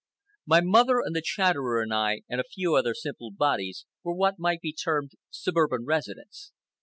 My mother and the Chatterer and I, and a few other simple bodies, were what might be termed suburban residents.